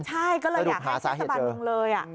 ใช่ก็เลยอยากให้ศิษย์ตะบันหนึ่งเลย